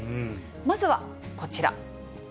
まずはこちら。